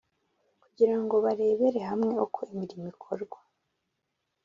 Kugira ngo barebere hamwe uko imirimo ikorwa